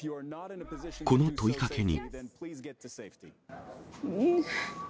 この問いかけに。